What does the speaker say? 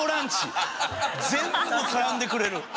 全部絡んでくれる。